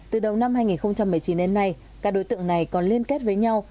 từ đầu năm hai nghìn một mươi chín đến nay các đối tượng này còn liên kết với nhau